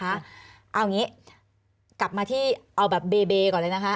เอาอย่างนี้กลับมาที่เอาแบบเบก่อนเลยนะคะ